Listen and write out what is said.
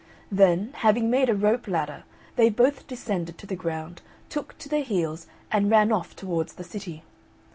Then, having made a rope ladder, they both descended to the ground, took to their heels, and ran off towards the city.